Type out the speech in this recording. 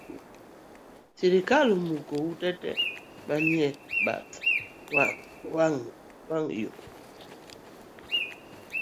Sirikal omuko ute tee mane nitie e bath wang’ayo